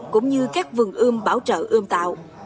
cũng như các vườn ươm bảo trợ ươm tạo